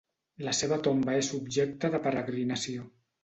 La seva tomba és objecte de peregrinació.